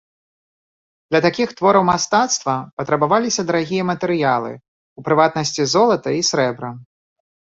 Для такіх твораў мастацтва патрабаваліся дарагія матэрыялы, у прыватнасці золата і срэбра.